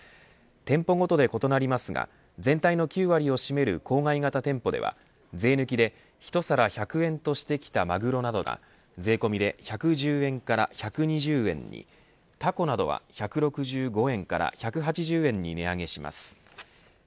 店舗ごとで異なりますが全体の９割を占める郊外型店舗では税抜きで１皿１００円としてきたマグロなどが税込みで１１０円から１２０円にタコなどは１６５円から１８０円に値上げします。